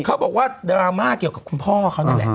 เขาบอกว่าดราม่าเกี่ยวกับคุณพ่อเขานั่นแหละ